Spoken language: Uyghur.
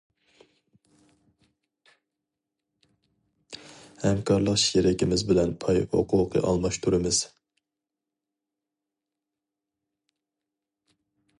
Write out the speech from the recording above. ھەمكارلىق شېرىكىمىز بىلەن پاي ھوقۇقى ئالماشتۇرىمىز.